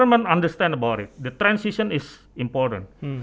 dan mungkin saya rasa untuk mengubah pikiran orang orang